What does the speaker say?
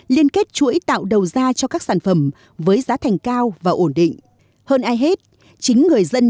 liên kết chuỗi tạo đầu ra cho các sản phẩm với giá thành cao và ổn định hơn ai hết chính người dân